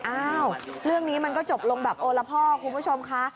อ้าวเรื่องนี้มันก็จบลงแบบโอละพ่อคุณผู้ชมค่ะ